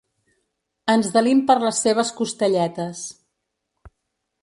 Ens delim per les seves costelletes.